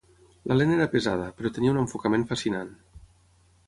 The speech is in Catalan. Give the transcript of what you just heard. La lent era pesada, però tenia un enfocament fascinant.